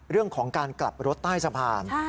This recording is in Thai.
เรื่องของการกลับรถใต้สะพาน